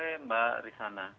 selamat sore mbak risana